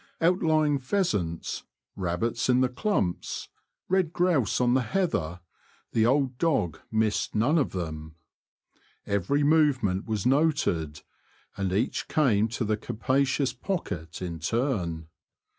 Out lying pheasants, rabbits in the clumps, red grouse on the heather — the old dog missed none of them. Every movement was noted, and each came to the capacious pocket in turn.